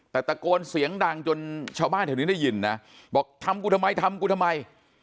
แต่ตะโกนเสียงดังจนชาวบ้านแถวนี้ได้ยินนะบอกทำกูทำไมทำกูทำไม